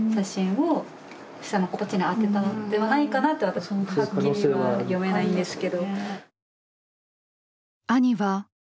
私もはっきりは読めないんですけど。